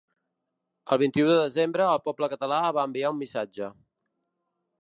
El vint-i-u de desembre el poble català va enviar un missatge.